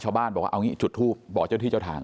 ชาวบ้านบอกว่าเอางี้จุดทูปบอกเจ้าที่เจ้าทาง